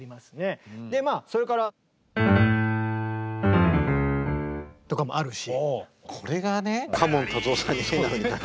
でまあそれから。とかもあるし。